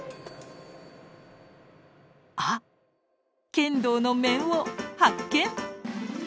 剣道の面を発見！